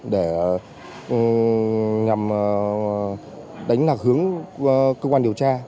để nhằm đánh lạc hướng cơ quan điều tra